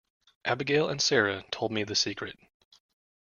Abigail and Sara told me the secret.